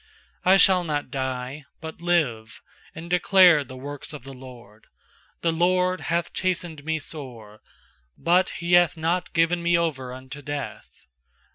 17I shall not die, but live, And declare the works of the LORD. 18The LORD hath chastened me sore; But He hath not given me over unto death.